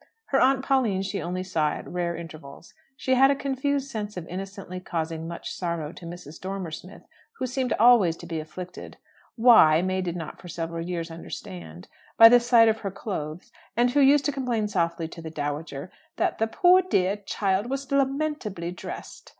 Her aunt Pauline she only saw at rare intervals. She had a confused sense of innocently causing much sorrow to Mrs. Dormer Smith, who seemed always to be afflicted (why, May did not for several years understand) by the sight of her clothes; and who used to complain softly to the dowager that "the poor dear child was lamentably dressed."